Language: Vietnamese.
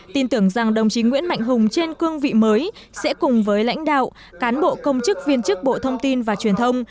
tin tưởng rằng đồng chí nguyễn mạnh hùng trên cương vị mới sẽ cùng với lãnh đạo cán bộ công chức viên chức bộ thông tin và truyền thông